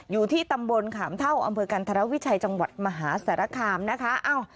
อยู่ที่ตำบลขามเท่าอำเภอกันธรวิชัยจังหวัดมหาสารคามนะคะ